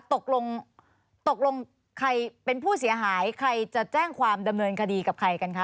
ตกลงตกลงใครเป็นผู้เสียหายใครจะแจ้งความดำเนินคดีกับใครกันคะ